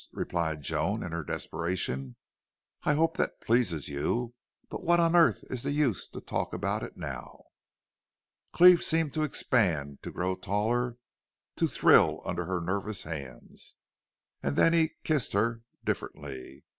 replied Joan in her desperation. "I hope that pleases you. But what on earth is the use to talk about it now?" Cleve seemed to expand, to grow taller, to thrill under her nervous hands. And then he kissed her differently.